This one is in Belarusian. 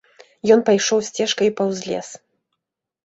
Ён пайшоў сцежкай паўз лес.